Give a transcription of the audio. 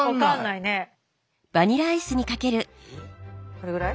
これぐらい？